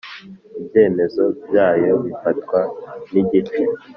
Ibyemezo byayo bifatwa n igice